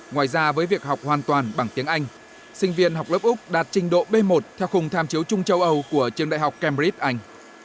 ngoài ra với việc học hoàn toàn bằng tiếng anh sinh viên học lớp úc đạt trình độ b một theo khung tham chiếu trung châu âu của trường đại học cambridge anh